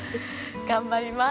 頑張ります。